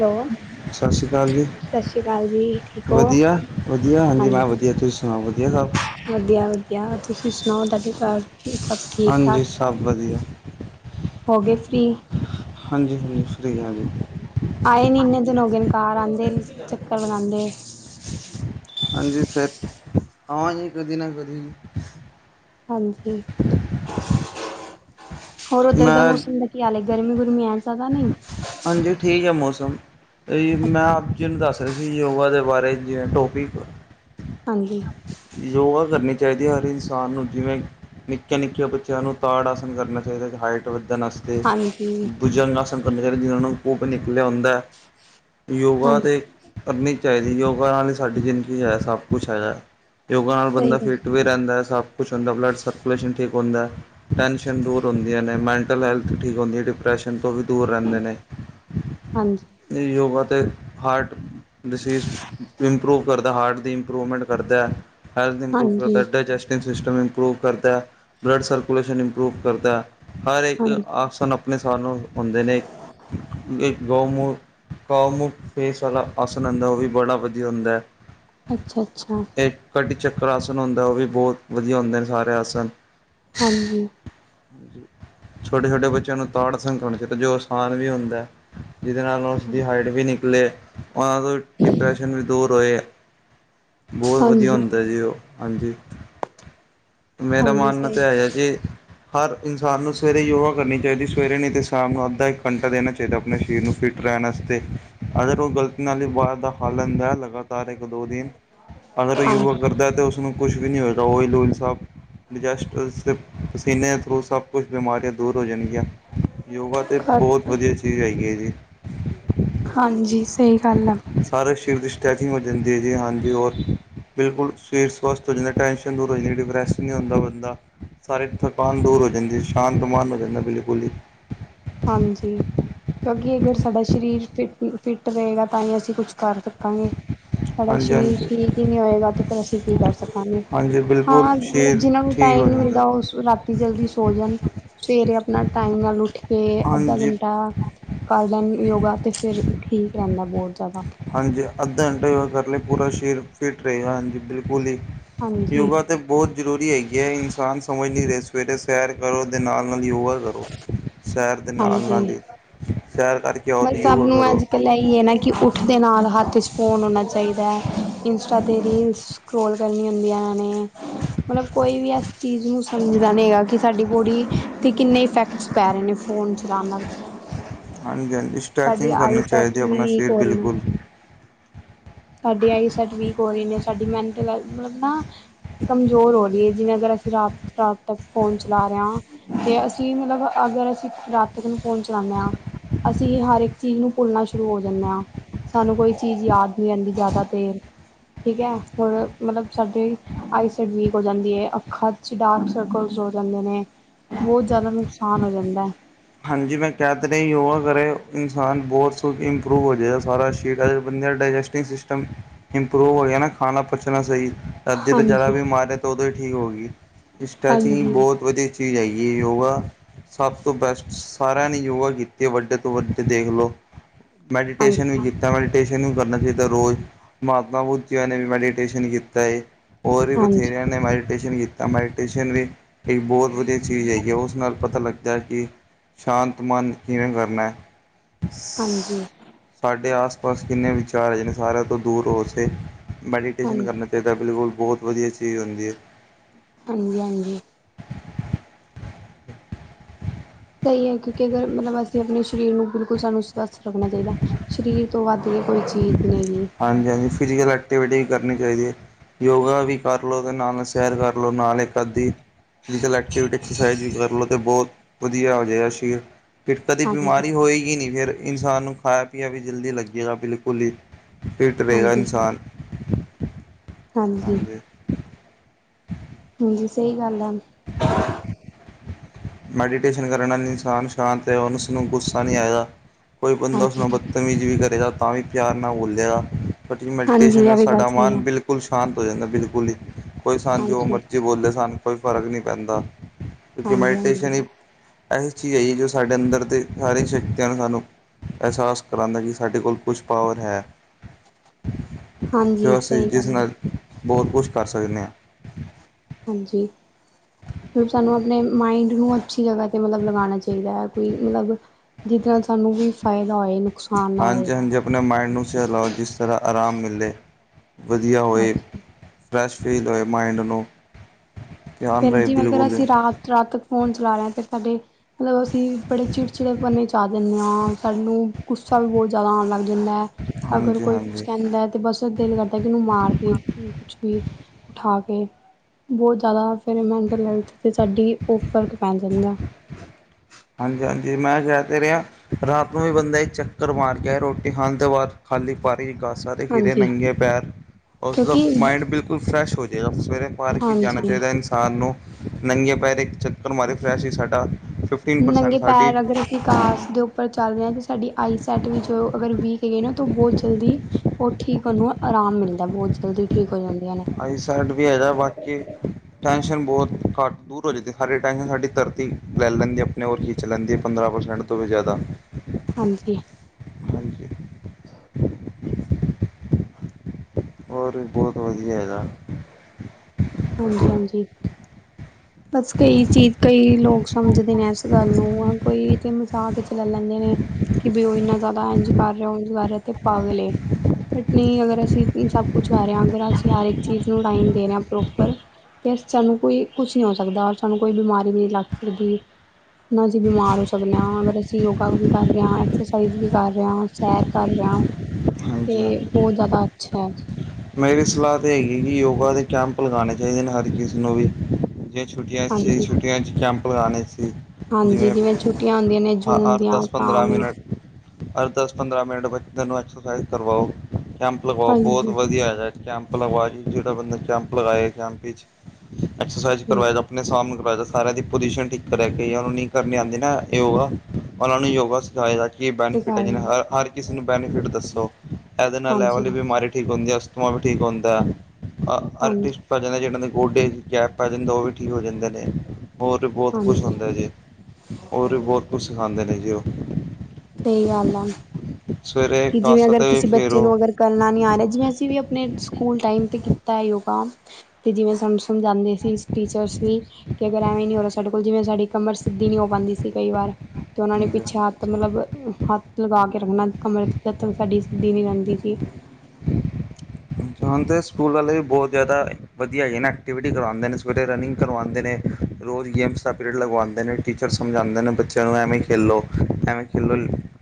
Hello ਸਤਿ ਸ੍ਰੀ ਅਕਾਲ ਜੀ। ਸਤਿ ਸ਼੍ਰੀ ਅਕਾਲ ਜੀ ਠੀਕ ਹੋ ਵਧੀਆ, ਵਧੀਆ ਹਾਂਜੀ ਮੈਂਮ ਵਧੀਆ ਤੁਸੀ ਸੁਣਾਓ ਵਧੀਆ ਸਭ? ਵਧੀਆ- ਵਧੀਆ ਤੁਸੀਂ ਸੁਣਾਓ, ਤੁਹਾਡੇ ਸਭ ਠੀਕ- ਹਾਂਜੀ ਠਾਕ? ਸਭ ਵਧੀਆ ਹੋ ਗਏ ਫ੍ਰੀ ਹਾਂਜੀ- ਹਾਂਜੀ ਸਤਿ ਸ੍ਰੀ ਅਕਾਲ ਜੀ। ਆਏ ਨੀ ਇਨੇ ਦਿਨ ਹੋਗੇ ਨੇ, ਘਾਰ ਆਂਦੇ ਨੀ ਚੱਕਰ ਲਗਾਂਦੇ ਹਾਂਜੀ ਫੇਰ, ਆਵਾਂਗੇ ਕਦੀ ਨਾ ਕਦੀ। ਹਾਂਜੀ। ਹੋਰ ਉੱਧਰ ਦਾ ਮੈਂ ਮੌਸਮ ਦਾ ਕੀ ਹਾਲ ਹੈ, ਗਰਮੀ ਗੁਰਮੀ ਐ ਜ਼ਿਆਦਾ ਨਹੀਂ ਹਾਂਜੀ ਠੀਕ ਹੈ ਮੌਸਮ, ਮੈਂ ਅੱਛਾ ਆਪ ਜੀ ਨੂੰ ਦੱਸ ਰਿਹਾ ਸੀ ਜੀ ਯੋਗਾ ਦੇ ਬਾਰੇ, ਜਿਵੇਂ ਟੋਪਿਕ? ਹਾਂਜੀ। ਯੋਗਾ ਕਰਨੀ ਚਾਹੀਦੀ ਹੈ ਹਰ ਇਨਸਾਨ ਨੂੰ, ਜਿਵੇਂ ਨਿੱਕੀਆਂ ਨਿੱਕੀਆਂ ਬੱਚਿਆਂ ਨੂੰ ਤਾੜ ਆਸਨ ਕਰਨਾ ਚਾਹੀਦਾ। ਹਾਈਟ ਤੇ ਵਧਣ ਆਸਤੇ, ਹਾਂਜੀ ਬੁਜੰਗ ਆਸਨ ਕਰੀਦਾ ਜਿਨਾ ਨੂੰ ਕੁਬ ਨਿਕਲਿਆ ਹੁੰਦਾ ਐ। ਯੋਗਾ ਹਾਂਜੀ ਤੇ ਕਰਨੀ ਚਾਹੀਦੀ। ਯੋਗਾ ਨਾਲ ਹੀ ਸਾਡੀ ਜ਼ਿੰਦਗੀ ਹੈ, ਸਭ ਕੁਝ ਹੈ। ਯੋਗਾ ਨਾਲ ਸਹੀ ਬੰਦਾ ਗੱਲ ਫਿੱਟ ਵੀ ਰਹਿੰਦਾ ਐ ਸਭ ਕੁਛ ਹੁੰਦਾ, ਬਲੱਡ ਸਰਕੂਲੇਸ਼ਨ ਠੀਕ ਹੁੰਦਾ ਐ। ਟੈਂਸ਼ਨ ਦੂਰ ਹੁੰਦੀਆਂ ਨੇ, ਮੈਂਟਲ ਹੈਲਥ ਠੀਕ ਹੁੰਦੀ ਹੈ, ਡਿਪਰੈਸ਼ਨ ਤੋਂ ਵੀ ਦੂਰ ਰਹਿੰਦੇ। ਹਾਂਜੀ ਤੇ, ਯੋਗਾ ਤੇ ਹਾਰਟ ਡਿਸੀਜ਼ ਇੰਪਰੂਵ ਕਰਦਾ, ਹਾਰਟ ਦੀ ਇੰਪਰੂਵਮੈਂਟ ਕਰਦਾ ਹੈ। ਹੈਲਥ ਇੰਪਰੂਵ ਹਾਂਜੀ ਕਰਦਾ, ਡਾਇਜੈਸਟਿਵ ਸਿਸਟਮ ਇੰਪਰੂਵ ਕਰਦਾ ਹੈ, ਬਲੱਡ ਸਰਕੂਲੇਸ਼ਨ ਇੰਪਰੂਵ ਕਰਦਾ ਹਰ ਇੱਕ ਹਾਂਜੀ ਆਸਨ ਆਪਣੇ ਸਥ ਨੂੰ ਹੁੰਦੇ ਨੇ ਗ ਮਹ ਗੌਮੁੱਖ ਫੇਸ ਵਾਲਾ ਆਸਨ ਹੁੰਦਾ, ਉਹ ਵੀ ਬੜਾ ਵਧੀਆ ਹੁੰਦਾ ਹੈ। ਅੱਛਾ, ਅੱਛਾ। ਕਢ ਚੱਕਰ ਆਸਨ ਹੁੰਦਾ ਉਹ ਵੀ ਬੋਤ ਵਧੀਆ ਹੁੰਦੇ ਨੇ ਸਾਰੇ ਆਸਨ ਹਾਂਜੀ। ਛੋਟੇ -ਛੋਟੇ ਬੱਚਿਆਂ ਨੂੰ ਤਾੜ ਆਸਣ ਕਰਨਾ ਚਾਹੀਦਾ ਜੋ ਆਸਾਨ ਵੀ ਹੁੰਦਾ ਹੈ। ਜਿਦੇ ਨਾਲ ਉਸਦੀ ਹਾਈਟ ਵੀ ਨਿਕਲੇ। ਹਾਂ ਤੋਂ ਡਿਪਰੈਸ਼ਨ ਵੀ ਦੂਰ ਹੋਏ ਐ, ਬਹੁਤ ਵਧੀਆ ਹਾਂਜੀ ਹੁੰਦਾ ਜੀ ਉਹ। ਹਾਂਜੀ, ਮੇਰਾ ਹਾਂਜੀ ਮਾਨਣਾ ਸਹੀ ਤਾਂ ਇਹ ਹੈ। ਕਿ ਹਰ ਇਨਸਾਨ ਨੂੰ ਸਵੇਰੇ ਯੋਗਾ ਕਰਨੀ ਚਾਹੀਦੀ ਸਵੇਰੇ ਨਹੀ ਤੇ ਸ਼ਾਮ ਨੂੰ ਅੱਧਾ ਇੱਕ ਘੰਟਾ ਦੇਣਾ ਚਾਹੀਦਾ ਆਪਣੇ ਸ਼ਰੀਰ ਨੂੰ ਫਿੱਟ ਰਹਿਣ ਵਾਸਤੇ, ਅਗਰ ਉਹ ਗਲਤੀ ਨਾਲ ਹੀ ਬਾਹਰ ਦਾ ਖਾ ਲੈਂਦਾ ਹੈ ਲਗਾਤਾਰ ਹਰ ਇੱਕ ਦੋ ਦਿਨ, ਅਗਰ ਯੂੰ ਸਕਦਾ ਹੈ ਤੇ ਉਸਨੂੰ ਕੁਛ ਵੀ ਨਹੀਂ ਹੋਏ ਦਾ ਓਇਲ-ਓਇਲ ਸਭ ਡਿਜੈਸਟਰ ਪਸੀਨੇ ਦੇ ਥਰੂ ਸਭ ਕੁਛ ਬਿਮਾਰੀਆਂ ਦੂਰ ਹੋ ਜਾਣਗੀਆਂ। ਯੋਗਾ ਤੇ ਹਾਂਜੀ ਬਹੁਤ ਵਧੀਆ ਚੀਜ਼ ਹੈਗੀ ਹੈ ਜੀ। ਹਾਂਜੀ, ਸਹੀ ਗੱਲ ਆ। ਸਾਰੇ ਸ਼ਰੀਰ ਦੀ ਸਟੈਚਿੰਗ ਹੋ ਜਾਂਦੀ ਹੈ ਜੀ, ਹਾਂਜੀ ਔਰ ਬਿਲਕੁਲ, ਸਰੀਰ ਸਵਸਥ ਹੋ ਜਾਂਦਾ ਟੈਂਸ਼ਨ ਦੂਰ ਹੋ ਜਾਂਦੀ ਡਿਪਰੈਸ ਨਹੀਂ ਹੁੰਦਾ ਬੰਦਾ। ਸਾਰੇ ਥਕਾਨ ਦੂਰ ਹੋ ਜਾਂਦੀ ਹੈ, ਸ਼ਾਂਤ ਮਨ ਹੋ ਜਾਂਦਾ ਬਿਲਕੁਲ ਹੀ। ਹਾਂਜੀ। ਕਿਉਂਕਿ ਅਗਰ ਸਾਡਾ ਸਰੀਰ ਫਿਟ, ਫਿੱਟ ਰਹੇਗਾ ਤਾਂ ਹੀ ਅਸੀਂ ਕੁਛ ਕਰ ਸਕਾਂਗੇ। ਸਾਡਾ ਹਾਂਜੀ ਸ਼ਰੀਰ ਹਾਂਜੀ ਠੀਕ ਹੀ ਨਹੀਂ ਹੋਏਗਾ ਤੇ ਫਿਰ ਅਸੀਂ ਕੀ ਕਰ ਸਕਾਂਗੇ। ਹਾਂਜੀ ਬਿਲਕੁਲ ਹਾਂ, ਮਤਲਬ ਸਰੀਰ ਜਿਹਨਾਂ ਨੂੰ ਠੀਕ ਟਾਈਮ ਹੋ ਨੀ ਜਾਂਦਾ ਮਿਲਦਾ, ਉਹ ਸੁ ਰਾਤ ਤੇ ਜਲਦੀ ਸੋ ਜਾਣ। ਸਵੇਰੇ ਆਪਣਾ ਟਾਈਮ ਨਾਲ ਉੱਠ ਕੇ ਅੱਧਾ ਹਾਂਜੀ ਘੰਟਾ ਕਰ ਲੈਣ ਯੋਗਾ ਤਾਂ ਫਿਰ ਠੀਕ ਰਹਿੰਦਾ ਬਹੁਤ ਜ਼ਿਆਦਾ। ਹਾਂਜੀ ਅੱਧਾ ਘੰਟਾ ਹੀ ਕਰ ਲਏ ਪੂਰਾ ਸਰੀਰ ਫਿਟ ਰਹੇਗਾ, ਹਾਂਜੀ ਬਿਲਕੁਲ ਹੀ ਹਾਂਜੀ ਯੋਗਾ ਤੇ ਬਹੁਤ ਜ਼ਰੂਰੀ ਹੈਗੀ ਹੈ, ਇਨਸਾਨ ਸਮਝ ਨਹੀਂ ਰਹੇ ਸਵੇਰੇ ਸੈਰ ਕਰੋ, ਤੇ ਨਾਲ- ਨਾਲ ਯੋਗਾ ਕਰੋ। ਸ਼ਹਿਰ ਦੇ ਨਾਲ- ਨਾਲ ਹੀ, ਸੈਰ ਕਰਕੇ ਆਓ ਪਰ ਤੇ ਸਭ ਯੋਗਾ ਨੂੰ ਕਰੋ ਅੱਜ ਕੱਲ ਇਹੀ ਹੈ ਨਾ ਕਿ ਉ ਦੇ ਨਾਲ ਹੱਥ 'ਚ ਫ਼ੋਨ ਹੋਣਾ ਚਾਹੀਦਾ ਹੈ, ਇੰਸਟਾ ਦੇ ਰੀਲਸ ਸਕਰੋਲ ਕਰਨੀ ਹੁੰਦੀਆਂ ਇਹ ਨੇ, ਮਤਲਬ ਕੋਈ ਵੀ ਆ ਚੀਜ਼ ਨੂੰ ਸਮਝਦਾ ਨਹੀਂ ਹੈਗਾ ਕਿ ਸਾਡੀ ਬਾੱਡੀ 'ਤੇ ਕਿੰਨੇ ਇਫੈੱਕਟਸ ਪੈ ਰਹੇ ਨੇ, ਫ਼ੋਨ ਚਲਾਉਣ ਨਾਲ। ਹਾਂਜੀ-ਹਾਂਜੀ, ਸਾਡੀ ਸਟ੍ਰੈਚਿੰਗ ਕਰਨੀ ਆਈਸੈਟ ਚਾਹੀਦੀ, ਵੀ ਆਪਣਾ ਵੀਕ ਸ਼ਰੀਰ ਹੋ ਰਹੀ ਨੇ। ਬਿਲਕੁਲ। ਸਾਡੀ ਆਈਸੈਟ ਵੀਕ ਹੋ ਰਹੀ ਨੇ, ਸਾਡੀ ਮੈਂਟਲ ਹੈਲਬ ਨਾ ਕਮਜੋਰ ਹੋ ਰਹੀ ਹੈ। ਜਿਵੇਂ ਅਗਰ ਅਸੀਂ ਰਾਤ-ਰਾਤ ਤੱਕ ਫ਼ੋਨ ਚਲਾ ਰਹੇ ਹਾਂ। ਤੇ ਅਸੀਂ ਮਤਲਬ ਅਗਰ ਅਸੀਂ ਰਾਤ ਤੱਕ ਨੂੰ ਫ਼ੋਨ ਚਲਾਉਣੇ ਹਾਂ। ਅਸੀਂ ਹਰ ਇੱਕ ਚੀਜ਼ ਨੂੰ ਭੁਲਨਾ ਸ਼ੁਰੂ ਹੋ ਜਾਂਦੇ ਆਂ। ਸਾਨੂੰ ਕੋਈ ਚੀਜ਼ ਯਾਦ ਨਹੀਂ ਰਹਿੰਦੀ ਜਿਆਦਾ ਦੇਰ, ਠੀਕ ਹੈ, ਹੋਰ ਮਤਲਬ ਸਾਡੇ ਆਈ-ਸਾਈਡ ਵੀਕ ਹੋ ਜਾਂਦੀ ਐ, ਅੱਖਾਂ ਚ ਡਾਰਕ ਸਰਕਲਸ ਹੋ ਜਾਂਦੇ ਨੇ। ਬਹੁ ਜ਼ਿਆਦਾ ਨੁਕਸਾਨ ਹੋ ਜਾਂਦਾ ਹੈ। ਹਾਂਜੀ ਮੈਂ ਕਹਿ ਤਾਂ ਰ ਯੋਗਾ ਕਰੇ, ਇਨਸਾਨ ਬਹੁ ਸਤ ਇੰਪਰੂਵ ਹੋ ਜਾਏਦਾ, ਸਾਰਾ ਸ਼ਰੀਰ ਬੰਦੇ ਦਾ ਡਾਇਜੈਸਟ ਤੇ ਸਿਸਟਮ ਇੰਪਰੂਵ ਹੋ ਗਿਆ ਨਾ, ਖਾਣਾ ਪਚਣਾ ਸਈ ਹੈ ਅੱਧੇ ਤੋਂ ਜਿਆਦਾ ਹਾਂਜੀ ਬਿਮਾਰੀਆਂ ਤਾਂ ਓਦੋਂ ਹੀ ਠੀਕ ਹੋਗੀ। ਸਟ੍ਰੈਚਿੰਗ ਹਾਂਜੀ ਬਹੁਤ ਵਧੀਆ ਚੀਜ ਤੇ ਜਾਈਏ ਯੋਗਾ, ਸਭ ਤੋਂ ਬੈੱਸਟ ਸਾਰਿਆਂ ਨੇ ਯੋਗਾ ਕੀਤੀ ਐ ਵੱਡੇ ਤੋਂ ਵੱਡੇ ਦੇਖ ਲੋ ਮੈਡੀਟੇਸ਼ਨ ਵੀ ਹਾਂਜੀ ਕੀਤੀ ਮੈਡੀਟੇਸ਼ਨ ਵੀ ਕਰਨਾ ਚਾਹੀਦਾ, ਰੋਜ਼ ਮਹਾਤਮਾ ਬੁਜੀਆ ਨੇ ਵੀ ਮੈਡੀਟੇਸ਼ਨ ਕੀਤਾ ਏ। ਹੋਰ ਵੀ ਹਾਂਜੀ ਹਾਂਜੀ ਬਥੇਰੇਆਂ ਨੇ ਮੈਡੀਟੇਸ਼ਨ ਕੀ ਤਾਂ ਮੈਡੀਟੇਸ਼ਨ ਵੀ ਇੱਕ ਬਹੁਤ ਵਧੀਆ ਚੀਜ਼ ਹੈਗੀ ਐ, ਓ ਨਾਲ ਪਤਾ ਲੱਗਦਾ ਕਿ ਸ਼ਾਂਤ ਮਨ ਕਿਵੇਂ ਕਰਨਾ? ਹਾਂਜੀ ਸਾਡੇ ਆਸ ਪਾਸ ਕਿੰਨੇ ਵਿਚਾਰ ਹੈ ਜਿੱਨੇ ਸਾਰਿਆਂ ਤੋਂ ਦੂਰ ਉਸ ਤੇ ਮੈਡੀਟੇਸ਼ਨ ਹਾਂਜੀ ਕਰਨਾ ਇਹ ਤਾਂ ਬਿਲਕੁਲ ਬਹੁਤ ਵਧੀਆ ਚੀਜ਼ ਹੁੰਦੀ ਹੈ। ਹਾਂਜੀ-ਹਾਂਜੀ। ਸ ਸਹੀਹੀ ਐ ਕਿਉਂਕਿ ਅਗਰ ਮਤਲਬ ਅਸੀਂ ਆਪਣੇ ਸਰੀਰ ਨੂੰ ਬਿਲਕੁਲ ਸਾਨੂੰ ਸਵੱਸਥ ਰੱਖਣਾ ਚਾਹੀਦਾ। ਸਰੀਰ ਤੋਂ ਵੱਧ ਕੋਈ ਚੀਜ਼ ਨਈਗੀ। ਹਾਂਜੀ-ਹਾਂਜੀ ਫਿਜੀਕਲ ਐਕਟੀਵਿਟੀ ਵੀ ਕਰਨੀ ਚਾਹੀਦੀ ਹੈ। ਯੋਗਾ ਵੀ ਕਰ ਲਉ ਤੇ ਨਾਲ-ਨਾਲ ਸੈਰ ਕਰ ਲਓ ਨਾਲ ਇੱਕ ਅੱਧੀ ਫਿਜੀਕਲ ਐਕਟੀਵਿਟੀ ਐਕਸਰਸਾਈਜ਼ ਵੀ ਕਰ ਲੋ ਤੇ ਬਹੁਤ ਵਧੀਆ ਹੋ ਜੇਗਾ ਸ਼ਰੀਰ। ਫ਼ੇਰ ਕਦੀ ਹਾਂਜੀ ਬਿਮਾਰੀ ਹੋਏਗੀ ਨੀ, ਫਿਰ ਇਨਸਾਨ ਨੂੰ ਖਾਇਆ ਪੀਆ ਵੀ ਜਲਦੀ ਲੱਗੇਗਾ, ਬਿਲਕੁਲ ਈ ਫਿਟ ਰਏਗਾ ਹਾਂਜੀ ਇਨਸਾਨ ਹਾਂਜੀ। ਇਹ [inaudible] ਹਾਂਜੀ ਸਈ ਗੱਲ ਆ। [unintelligible] ਮੈਡੀਟੇਸ਼ਨ ਕਰਨ ਨਾਲ ਇਨਸਾਨ ਸ਼ਾਂਤ ਹੈ ਓਸਨੂੰ ਗੁੱਸਾ ਨਹੀਂ ਆਏਗਾ। ਕੋਈ ਬੰਦਾ ਹਾਂਜੀ ਓਸਨੂੰ ਬਦ ਤਮੀਜ਼ ਵੀ ਕਰੇਗਾ ਤਾਂ ਵੀ ਪਿਆਰ ਨਾਲ ਬੋਲੇਗਾ ਪਰ ਜ ਹਾਂਜੀ ਮੈਡੀਟੇਸ਼ਨ ਐ ਇਹ ਵੀ ਗੱਲ ਸਾਡਾ ਸਹੀ ਮਨ ਹੈ ਬਿਲਕੁਲ ਕੁੱਲ ਸ਼ਾਂਤ ਹੋ ਜਾਂਦਾ ਬਿਲਕੁਲ ਈ ਕੋਈ ਸਾਨੂੰ ਜੋ ਹਾਂਜੀ ਮਰਜ਼ੀ ਬੋਲੇ ਸਾਨੂੰ ਕੋਈ ਫ਼ਰਕ ਨੀ ਪੈਂਦਾ। ਕਿਉਂਕਿ ਹਾਂਜੀ ਹਾਂਜੀ ਮੈਡੀਟੇਸ਼ਨ ਹੀ ਐਸੀ ਚੀਜ਼ ਹੈਗੀ ਜੋ ਸਾਡੇ ਅੰਦਰ ਤੇ ਸਾਰੇ ਸ਼ਕਤੀਆਂ ਨੂੰ ਸਾਨੂੰ ਅਹਿਸਾਸ ਕਰਾਂਦਾ ਐ ਕਿ ਸਾਡੇ ਕੋਲ ਕੁਛ ਪਾਵਰ ਹੈ। ਹਾਂਜੀ ਜੋ ਅਸੀਂ ਸਹੀ ਗੱਲ ਜਿਸ ਹੈ ਨਾਲ ਬਹੁਤ ਕੁਝ ਕਰ ਸਕਦੇ ਆ। ਹਾਂਜੀ ਜੋ ਸਾਨੂੰ ਆਪਣੇ ਮਾਈੰਡ ਨੂੰ ਮਤਲਬ ਲਗਾਉਣਾ ਚਾਹੀਦਾ ਹੈ ਕੋਈ ਮਤਲਬ, ਜਿਸ ਤਰਾਂ ਸਾਨੂੰ ਵੀ ਫ਼ਾਇਦਾ ਹੋਏ। ਨੁਕਸਾਨ ਨਾ ਹੋਏ ਹਾਂਜੀ-ਹਾਂਜੀ ਆਪਣੇ ਮਾਇਂਡ ਨੂੰ ਸਹਿਲਾਓ, ਜਿਸ ਤਰ੍ਹਾਂ ਆਰਾਮ ਮਿਲੇ। ਵਧੀਆ ਹੋਏ ਅੱਛਾ ਫਰੈੱਸ਼ ਫੀਲ ਹੋਏ ਮਾਈਂਡ ਨੂੰ। ਧਿਆਨ ਫਿਰ ਰਹੇ ਜਿਵੇਂ ਅਗਰ ਬਿਲਕੁਲ ਅਸੀਂ ਰਾਤ-ਰਾਤ ਤੱਕ ਫ਼ੋਨ ਚਲਾ ਰਏ ਆ, ਤੇ ਸਾਡੇ ਮਤਲਬ ਅਸੀਂ ਬੜੇ ਚਿੜਚਿੜੇ ਭਰਨ ਚ ਆ ਜਾਂਨੇ ਆ। ਸਾਨੂੰ ਗੁੱਸਾ ਵੀ ਬਹੁਤ ਜ਼ਿਆਦਾ ਆਉਣ ਲੱਗ ਜਾਂਦਾ ਐ ਅਗਰ ਹਾਂਜੀ ਕੋਈ ਕੁਛ ਹਾਂਜੀ ਕਹਿੰਦਾ ਐ ਤੇ ਬਸ ਦਿਲ ਕਰਦਾ ਕਿ ਓਨੂੰ ਮਾਰ ਦੇਈਏ ਕੁਛ ਵੀ ਉਠਾ ਕੇ ਬਹੁਤ ਜ਼ਿਆਦਾ ਫਿਰ ਮੈਂਟਲ ਹੈਲਥ ਤੇ ਸਾਡੀ ਬਹੁ ਫ਼ਰਕ ਪੈ ਜਾਂਦਾ। ਹਾਂਜੀ-ਹਾਂਜੀ ਮੈਂ ਕਹਿ ਤੇ ਰਿਆ ਰਾਤ ਨੂੰ ਵੀ ਬੰਦੇ ਚੱਕਰ ਮਾਰ ਕੇ ਆਏ, ਰੋਟੀ ਖਾਣ ਤੋਂ ਬਾਅਦ ਖਾਲੀ ਪਾਰੀ ਗਾਸ ਫਿਰੇ ਹਾਂਜੀ ਨੰਗੇ ਪੈਰ, ਓਸਦਾ ਕਿਉਂਕਿ ਮਾਈੰਡ ਬਿਲਕਲ ਫ੍ਰੈਸ਼ ਹੋ ਜੇਗਾ। ਸਵੇਰੇ ਪਾਰਕ ਹੀ ਜਾਣਾ ਹਾਂਜੀ ਚਾਈਦਾ। ਇਨਸਾਨ ਨੂੰ ਨੰਗੇ ਪੈਰ ਇੱਕ ਚੱਕਰ ਮਾਰੇ ਫਰੈੱਸ਼ ਈ ਸਾਡਾ ਫਿਫ ਨੰਗੇ ਪੈਰ ਅਗਰ ਇੱਕ ਆਸ ਦੇ ਉੱਪਰ ਚੱਲ ਰਹੇ ਹਾਂ। ਜੇ ਸਾਡੀ ਆਈਸਾਈਡ ਵੀ, ਜੋ ਅਗਰ ਵੀਕ ਹੈਗੀ ਨਾ ਤੋ ਬਹੁ ਜਲਦੀ ਓ ਠੀਕ ਓਨੂੰ ਆਰਾਮ ਮਿਲਦਾ ਬਹੁ ਜ਼ਿਆਦਾ। ਜਲਦੀ ਠੀਕ ਹੋ ਜਾਂਦੇ ਆ। ਆਈ ਸੈਡ ਵੀ ਹੈਗਾ ਬਾਕੀ ਟੈਂਸ਼ਨ ਬਹੁਤ ਘੱਟ ਦੂਰ ਹੋ ਜਾਂਦੀ। ਸਾਰੀ ਟੈਂਸ਼ਨ ਸਾਡੀ ਧਰਤੀ ਲੈ ਲੈਂਦੀ ਆਪ ਆਪਣੇ ਹੋਰ ਕੀ ਚਲਾਂਦੀ ਹੈ। ਪੰਦਰਾਂ ਪਰਸੈਂਟ ਤੋਂ ਵੀ ਜ਼ਿਆਦਾ ਹਾਂਜੀ। ਹਾਂਜੀ ਹੋਰ ਬਹੁਤ ਵਧੀਆ ਹੈਗਾ। ਹਾਂਜੀ-ਹਾਂਜੀ। ਬਸ ਕਈ ਚੀਜ, ਕਈ ਲੋਕ ਸਮਝਦੇ ਨੀ ਇਸ ਗੱਲ ਨੂੰ। ਇਹ ਕੋਈ ਜਿਵੇਂ ਮਜ਼ਾਕ 'ਚ ਲੈ ਲੈਂਦੇ ਨੇਂ। ਕਿ ਬ ਓ ਇੰਨਾ ਜ਼ਿਆਦਾ ਇੰਝ ਕਰ ਰਿਹਾ, ਉੰਝ ਕਰ ਰਿਆ ਤੇ ਪਾਗਲ ਏ। ਬਟ ਨਹੀਂ, ਅਗਰ ਅਸੀਂ ਸਭ ਕੁਛ ਕਰ ਰਹੇ ਹਾਂ। ਅਗਰ ਅਸੀਂ ਹਰ ਇੱਕ ਚੀਜ ਨੂੰ ਟਾਈਮ ਦੇ ਰਹੇ ਹਾਂ, ਪ੍ਰੋਪਰ। ਫਿਰ ਸਾਨੂੰ ਕੋਈ, ਕੁਛ ਨੀ ਹੋ ਸਕਦਾ। ਸਾਨੂੰ ਕੋਈ ਬਿਮਾਰੀ ਨਹੀਂ ਲੱਗ ਸਕਦੀ ਨਾ ਅਸੀਂ ਬਿਮਾਰ ਹੋ ਸਕਦੇ ਆ ਅਗਰ ਅਸੀਂ ਯੋਗਾ ਵੀ ਕਰ ਰਹੇ ਆ, ਐਕਸਰਸਾਈਜ਼ ਵੀ ਕਰ ਰਹੇ ਆ। ਸੈਰ, ਕਰ ਰਿਹਾ ਹਾਂਜੀ ਤੇ ਹਾਂਜੀ ਬਹੁਤ ਜ਼ਿਆਦਾ ਅੱਛਾ ਹੈ। ਮੇਰੀ ਸਲਾਹ ਤਾਂ ਹੈਗੀ ਕਿ ਯੋਗਾ ਦੇ ਕੈਂਪ ਲਗਾਉਣੇ ਚਾਹੀਦੇ ਨੇ ਹਰ ਕਿਸ ਨੂੰ ਵੀ। ਜਿਵੇਂ ਛੁੱਟੀਆਂ ਸੀ, ਹਾਂਜੀ, ਛੁੱਟੀਆਂ 'ਚ ਕੈਂਪ ਲਗਾਉਣੇ ਸੀ। ਹਾਂਜੀ ਜਿਵੇਂ ਛੁੱਟੀਆਂ ਹੁੰਦੀਆਂ ਨੇ ਹਾਂ, ਜੂਨ ਹਰ ਦੀਆਂ ਦਸ ਤਾਂ ਪੰਦਰਾਂ ਵੀ ਮਿਨਟ। ਹਰ ਦਸ ਪੰਦਰਾਂ ਮਿਨਟ ਬੰਦੇ ਨੂੰ ਐਕਸਰਸਾਈਜ਼ ਕਰਵਾਓ। ਕੈਂਪ ਲਗਵਾਓ ਬਹੁਤ ਹਾਂਜੀ ਕੈਂਪ ਲਗਵਾ ਜਿਹੜਾ ਬੰਦਾ ਜੰਪ ਲਗਾਏ ਕੈਂਪ ਵਿੱਚ, ਐਕਸਰਸਾਈਜ਼ ਹੂੰ ਕਰਵਾਏ। ਸ ਕਰਵਾ [unintelligible] ਸਾਰਿਆਂ ਦੀ ਪੁਜੀਸ਼ਨ ਠੀਕ ਕਰ ਕੇ ਉਹਨੂੰ ਨਹੀਂ ਕਰਨੀ ਆਉਂਦੀ ਨਾ ਇਹ ਉਹਗਾ ਉਹਨਾਂ ਨੂੰ ਯੋਗਾ ਸਿਖਾਇਏ ਦਾ ਕੀ ਬੈਨੀਫਿਟ ਹੈ, ਜ ਸਿਖਾਇਆ ਹਰ ਕਿਸੇ ਨੂੰ ਬੈਨੀਫਿਟ ਦੱਸੋ ਇਹਦੇ ਨਾਲ ਲੈਵਲ ਹਾਂਜੀ ਬਮਾਰੀ ਠੀਕ ਹੁੰਦੀ, ਅਸਥਮਆਂ ਵੀ ਠੀਕ ਹੁੰਦਾ। ਹਾਂਜੀ ਆਰਥਿਸਟ ਭੱਜਨ ਨਾਲ ਜਿਹਨਾਂ ਦੇ ਗੋਡੇ ਚ ਗੈਪ ਆ ਜਾਂਦਾ ਉਹ ਵੀ ਇਕੱਠੀ ਹੋ ਜਾਂਦੇ ਨੇ, ਹੋਰ ਵੀ ਬਹੁਤ ਕੁਛ ਹਾਂਜੀ ਹੁੰਦਾ ਜੀ। ਔਰ ਵੀ ਬਹੁਤ ਕੁਛ ਸਿਖਾਉਂਦੇ ਨੇਂ ਜੀ ਉਹ। ਸਹੀ ਗੱਲ ਆ। ਸਵੇਰੇ ਕਿ ਜਿਵੇਂ ਕਲਾਸਾਂ ਅਗਰ ਤੇ ਕਿਸੇ ਫਿਰ ਬੱਚੇ ਉਹ ਨੂੰ ਅਗਰ ਕਰਨਾ ਨੀ ਆ ਰਿਹਾ ਜਿਵੇਂ ਅਸੀਂ ਵੀ ਆਪਣੇ ਸਕੂਲ ਟਾਈਮ ਤੇ ਕੀਤਾ ਹੈ ਯੋਗਾ ਤੇ ਜਿਵੇਂ ਸਮ ਸਮਝਾਦੇ ਸੀ ਟੀਚਰਸ ਵੀ। ਕਿ ਅਗਰ ਐਵੇਂ ਨੀ ਹੋ ਰਿਹਾ ਸਾਡੇ ਕੋਲ, ਜਿਵੇਂ ਸਾਡੀ ਕਮਰ ਸਿੱਧੀ ਨੀ ਹੋ ਪਾਉਦੀ ਸੀ, ਕਈ ਵਾਰ। ਤੇ ਉਹਨਾਂ ਨੇਂ ਹੁੰਦੇ ਪਿੱਛੇ ਹੱਥ ਮਤਲਬ, ਹੱਥ ਲਗਾ ਕੇ ਰੱਖਣਾ ਕਮਰ 'ਚ। ਲਤ ਸਾਡੀ, ਸਿੱਦੀ ਨੀ ਰਹਿੰਦੀ ਸੀ। ਹਾਂ ਤਾਂ ਸਕੂਲ ਵਾਲੇ ਵੀ ਬਹੁਤ ਜ਼ਿਆਦਾ ਵਧੀਆ ਜ ਨੇ ਐਕਟੀਵਿਟੀ ਕਰਵਾਉਂਦੇ ਨੇ, ਸਵੇਰੇ ਰਨਿੰਗ ਕਰਵਾਉਂਦੇ ਨੇ। ਰੋਜ਼ ਗੇਮਸ ਦਾ ਪੀਰੀਅਡ ਲਗਵਾਉਂਦੇ ਨੇ, ਟੀਚਰ ਸਮਝਾਉਂਦੇ ਨੇ ਬੱਚਿਆਂ ਨੂੰ ਐਵੇਂ ਖੇਲੋ, ਐਵੇਂ ਖੇਲੋ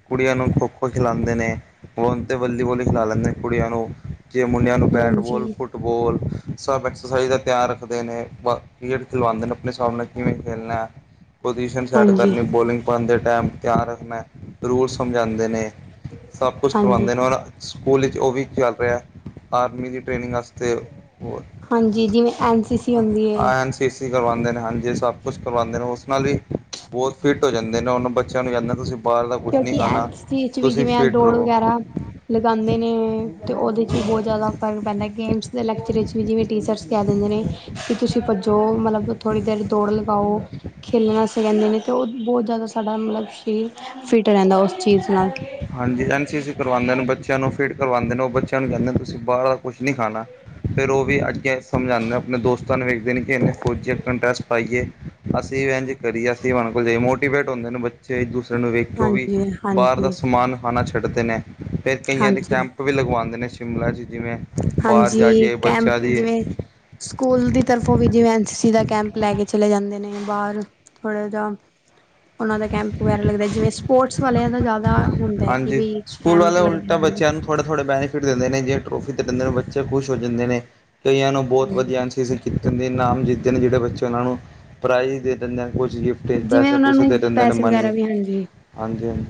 ਕੁੜੀਆਂ ਨੂੰ ਖੋ-ਖੋ ਖਿਲਾਉਂਦੇ ਨੇਂ। ਉਹ ਹੁਣ ਤੇ ਵਾਲੀਬਾਲ ਵੀ ਖਿਲਾ ਲੈਂਦੇ ਨੇਂ, ਕੁੜੀਆਂ ਨੂੰ। ਜੇ ਮੁੰਡਿਆਂ ਨੂੰ ਬੈਟਬਾਲ, ਹਾਂਜੀ ਫੁੱਟਬਾਲ ਸਭ ਐਕਸਰਸਾਈਜ਼ਾ ਤਿਆਰ ਰੱਖਦੇ ਨੇਂ। ਬੋ ਖੇਡ ਖਿਲਵਾਉਦੇਂ ਨੇਂ ਆਪਨੇ ਸਾਹਮਣੇ। ਕਿਵੇਂ ਖੇਲਨਾ ਏ ਪੋਜ਼ੀਸ਼ਨ ਸੈੱਟ ਹਾਂਜੀ ਕਰਨੀ ਬੋਲਿੰਗ ਬਣਦੇ ਟਾਈਮ ਧਿਆਨ ਰੱਖਣਾ, ਰੂਲਜ਼ ਸਮਝਾਉਂਦੇ ਨੇ, ਸਭ ਕੁਛ ਹਾਂਜੀ ਕਰਵਾਉਂਦੇ ਨੇ ਔਰ ਸਕੂਲ ਵਿੱਚ ਉਹ ਵੀ ਚੱਲ ਰਿਹਾ। ਆਰਮੀ ਦੀ ਟ੍ਰੇਨਿੰਗ ਆਸਤੇ। ਹਾਂਜੀ, ਜਿਵੇਂ ਐਨ ਸੀ ਸੀ ਹੁੰਦੀ ਏ। ਐਨ ਸੀ ਕਰਵਾਉਂਦੇ ਨੇ, ਹਾਂਜੀੇ ਸਭ ਕੁਛ ਕਰਵਾਉਂਦੇ ਨੇ ਉਸ ਨਾਲ ਹੀ ਬਹੁਤ ਫਿੱਟ ਹੋ ਜਾਂਦੇ ਨੇ ਉਹਨਾਂ ਬੱਚਿਆਂ ਨੂੰ ਜਦ ਕਿਉਂਕਿ ਇਸ ਚੀਜ਼ ਚ ਵੀ ਜਿਵੇਂ ਫਿਟ ਦੌੜ ਰਹੋ ਵਗੈਰਾ। ਲਗਾਉਂਦੇ ਨੇਂ, ਤੇ ਉਹਦੇ ਚ ਵੀ ਬਹੁਤ ਜਿਆਦਾ ਫਰਕ ਪੈਂਦਾ ਏ। ਗੇਮਸ ਦੇ ਲੈਕਚਰ ਇਚ ਵੀ ਜਿਵੇਂ ਟੀਚਰਸ ਕਹਿ ਦਿੰਦੇ ਨੇ ਕਿ ਤੁਸੀਂ ਭੱਜੋ, ਮਤਲਬ ਥੋੜ੍ਹੀ ਦੇਰ ਦੌੜ ਲਗਾਓ। ਖੇਲਣਾ ਸ ਕਹਿੰਦੇ ਨੇ ਅਤੇ ਉਹ ਬਹੁਤ ਜ਼ਿਆਦਾ ਸਾਡਾ ਮਤਲਬ ਸਰੀਰ ਫਿੱਟ ਰਹਿੰਦਾ, ਉਸ ਚੀਜ਼ ਨਾਲ। ਹਾਂਜੀ ਐਨ ਸੀ ਸੀ ਅਸੀ ਕਰਵਾਉਂਦੇ ਨੇ, ਬੱਚਿਆਂ ਨੂੰ ਫਿਟ ਕਰਵਾਉਂਦੇ ਨੇ, ਉਹ ਬੱਚਿਆਂ ਨੂੰ ਕਹਿੰਦੇ ਤੁਸੀਂ ਬਾਹਰ ਦਾ ਕੁਛ ਨਹੀਂ ਖਾਣਾ। ਫਿਰ ਉਹ ਵੀ ਅੱਗੇ ਸਮਝ ਆਉਂਦੇ ਨੇ, ਆਪਣੇ ਦੋਸਤਾਂ ਨੂੰ ਵੇਖਦੇ ਨੇ ਕਿ ਇੰਨੇ ਫੌਜੀ ਆਪ ਇੰਡਰੈਸਟ ਪਾਈਏ। ਅਸੀਂ ਇੰਜ ਕਰੀਏ, ਅਸੀਂ ਉਨ੍ਹਾਂ ਕੋਲ ਜਾਏ ਮੋਟੀਵੇਟ ਹੁੰਦੇ ਨੇ ਬੱਚੇ ਇੱਕ ਦੂਸਰੇ ਨੂੰ ਵੇਖਿਓ ਵੀ ਹਾਂਜੀ ਬਾਹਰ ਦਾ ਹਾਂਜੀ ਮਾਨ ਖਾਨਾ ਛੱਡਦੇ ਨੇਂ ਫਿਰ ਕਈਆਂ ਦੇ ਹਾਂਜੀ ਕੈਂਪ ਵੀ ਲਗਵਾਉਂਦੇ ਨੇਂ ਸ਼ਿਮਲਾ ਚ ਜਿਵੇਂ ਬਾਹਰ ਜਾ ਹਾਂਜੀ, ਕੇ ਬੱਚਿਆਂ ਕੈਂਪ ਦੀ ਜਿਵੇਂ। ਸਕੂਲ ਦੀ ਤਰਫੋਂ ਵੀ ਜਿਵੇ ਐਨ ਸੀ ਸੀ ਦਾ ਕੈਂਪ ਲੈ ਕੇ ਚਲੇ ਜਾਂਦੇ ਨੇ ਬਾਹਰ। ਥੋੜਾ ਜਹਾ, ਉਹਨਾਂ ਦਾ ਕੈਂਪ ਵਗੈਰਾ ਲੱਗਦਾ ਜਿਵੇਂ ਸਪੋਰਟਸ ਵਾਲਿਆਂ ਦਾ ਜ਼ਿਆਦਾ ਹੁੰਦਾ ਹੈ, ਕਿ ਵੀ ਕੈਂਪ ਲੱਗਦੇ ਹੈ। [unintelligible] ਥੋੜੇ-ਥੋੜੇ ਬੈਨੀਫਿਟ ਦਿੰਦੇ ਨੇਂ, ਜਿਵੇਂ ਟਰੋਫੀ ਦੇ ਦਿੰਦੇ ਨੇਂ ਬੱਚੇ ਖੁਸ਼ ਹੋ ਜਾਂਦੇ ਨੇਂ। ਕਈਆਂ ਨੂੰ ਬਹੁਤ ਹਾਂਜੀ ਵਧੀਆ ਰ ਦੇ ਇਮ ਜਿੱਦੇ ਨੇ ਜਿਹੜੇ ਬੱਚੇ ਉਹਨਾਂ ਨੂੰ ਪ੍ਰਾਈਜ਼ ਦੇ ਦਿੰਦੇ ਕੁਛ ਗਿ ਜਿਵੇਂ ਪੈਸੇ ਉਹਨਾਂ ਪੂਸੇ ਨੂੰ ਦੇ ਦਿੰਦੇ ਨੇ ਪੈਸੇ ਵਗੈਰਾ ਮਨੀ, ਵੀ ਹਾਂਜੀ ਹਾਂਜੀ, ਹਾਂਜੀ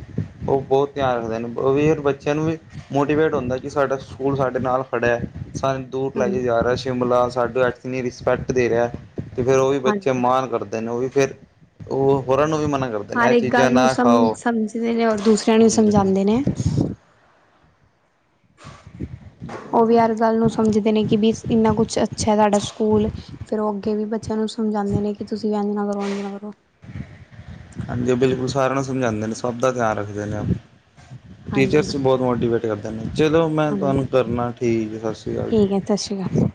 ਉਹ ਬਹੁਤ ਧਿਆਨ ਰੱਖਦੇ ਨੇ, ਉਹ ਵੀ ਬੱਚਿਆਂ ਨੂੰ ਵੀ ਮੋਟੀਵੇਟ ਹੁੰਦਾ ਕਿ ਸਾਡਾ ਸਕੂਲ ਸਾਡੇ ਨਾਲ ਖੜ੍ਹਿਆ ਸ ਦੂਰ ਲੈ ਹਾਂਜੀ ਕੇ ਜਾ ਰਿਹਾ ਸ਼ਿਮਲਾ, ਸਾਡੂ ਐਕਨੀ ਰਿਸਪੈਕਟ ਦੇ ਰਿਹਾ। ਤੇ ਫੇਰ ਉਹ ਵੀ ਬੱਚੇ ਹਾਂਜੀ ਮਾਾਨ ਕਰਦੇ ਨੇ ਉਹ ਵੀ ਫੇਰ ਉਹ ਹੋਰਾਂ ਨੂੰ ਵੀ ਮਨ ਕਰਦੇ। ਨੇ ਹਰ ਇਹ ਇੱਕ ਚੀਜ਼ਾਂ ਗੱਲ ਨੂੰ ਨਾ ਸਮ ਖਾਓ ਸਮਝਦੇ ਨੇ ਔਰ ਦੂਸਰਿਆਂ ਨੂੰ ਹਾਂਜੀ ਹਾਂ ਸਮਝਾਉਂਦੇ ਨੇ। [inaudible] ਉਹ ਵੀ ਹਰ ਗੱਲ ਨੂੰ ਸਮਝਦੇ ਨੇ ਕਿ ਵੀ ਇੰਨਾ ਕੁਛ ਅੱਛਾ ਸਾਡਾ ਸਕੂਲ ਫੇਰ ਉਹ ਅੱਗੇ ਵੀ ਬੱਚਿਆਂ ਨੂੰ ਸਮਝਾਉਂਦੇ ਨੇ ਕਿ ਤੁਸੀਂ ਵੀ ਇੰਝ ਨਾ ਕਰੋ ਇੰਝ ਨਾ ਕਰੋ। ਹਾਂਜੀ, ਉਹ ਬਿਲਕੁਲ ਸਾਰਿਆਂ ਨੂੰ ਸਮਝਾਉਂਦੇ ਨੇ ਸਭ ਦਾ ਧਿਆਨ ਰੱਖਦੇ ਨੇ। ਹਾਂਜੀ ਟੀਚਰਸ ਵੀ ਬਹੁਤ ਮੋਟੀਵੇਟ ਕਰਦੇ ਨੇਂ। ਚਲੋ ਮੈਂ ਹਾਂਜੀ ਤੁਹਾਨੂੰ ਕਰਨਾ। ਠੀਕ ਹੈ। ਸਤਿ ਸ੍ਰੀ ਅਕਾਲ ਜੀ। ਠੀਕ ਹੈ ਸਤਿ ਸ਼੍ਰੀ ਅਕਾਲ।